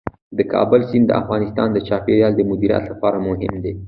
د کابل سیند د افغانستان د چاپیریال د مدیریت لپاره مهم دي.